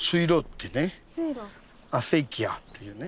水路でねアセキアっていうね。